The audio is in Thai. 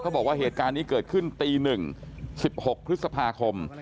บอกว่าเหตุการณ์นี้เกิดขึ้นตี๑๑๖พฤษภาคม